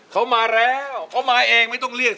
เขามาแล้วเขามาเองไม่ต้องเรียก